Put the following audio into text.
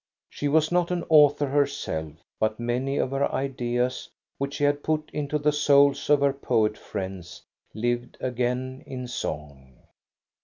She was not an author herself, but many of her ideas, which she had put into the souls of her poet friends, lived again in song.